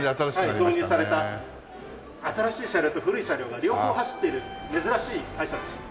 導入された新しい車両と古い車両が両方走っている珍しい会社です。